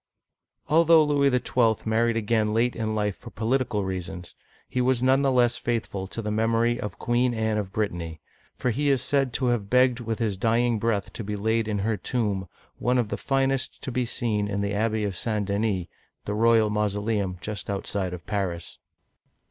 Although Louis XII. married again late in life for polit ical reasons, he was none the less faithful to the mem9ry of Queen Anne of Brittany ; for he is said to have begged with his dying breath to be laid in her tomb, one of the Digitized by Google LOUIS XII. (1498 1515) 225 finest to be seen in the Abbey of St. Denis, the royal mausoleum just outside of Paris.